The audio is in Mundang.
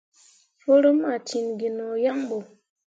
Forummi ah ciŋ gi no yaŋ ɓo.